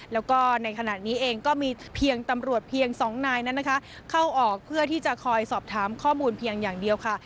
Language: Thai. แล้วก็ในขณะนี้เองก็มีเพียงตำรวจเพียงสองนายนั้นนะคะเข้าออกเพื่อที่จะคอยสอบถามข้อมูลเพียงอย่างเดียวค่ะ